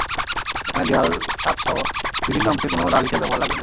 যেখানে দেয়াল, ছাদসহ বিভিন্ন অংশে কোনো লাল ইটের ব্যবহার লাগবে না।